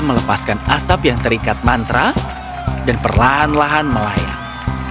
melepaskan asap yang terikat mantra dan perlahan lahan melayang